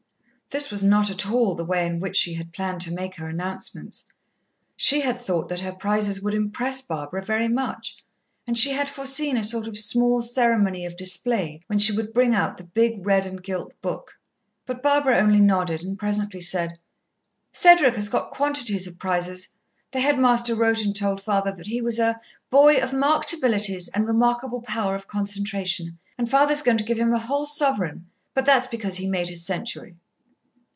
This was not at all the way in which she had planned to make her announcements. She had thought that her prizes would impress Barbara very much, and she had foreseen a sort of small ceremony of display when she would bring out the big red and gilt book. But Barbara only nodded, and presently said: "Cedric has got quantities of prizes: the headmaster wrote and told father that he was a 'boy of marked abilities and remarkable power of concentration,' and father is going to give him a whole sovereign, but that's because he made his century."